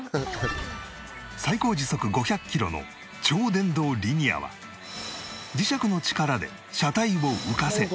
最高時速５００キロの超電導リニアは磁石の力で車体を浮かせ